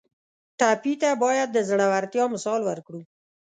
ټپي ته باید د زړورتیا مثال ورکړو.